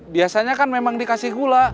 biasanya kan memang dikasih gula